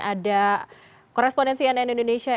ada korespondensi cnn indonesia